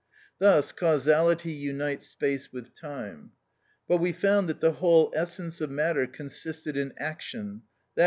Thus causality unites space with time. But we found that the whole essence of matter consisted in action, _i.